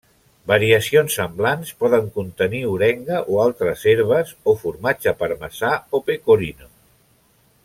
Variacions semblants poden contenir orenga o altres herbes, o formatge parmesà o pecorino.